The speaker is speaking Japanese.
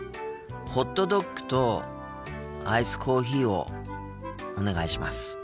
ホットドッグとアイスコーヒーをお願いします。